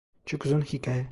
Çok uzun hikaye.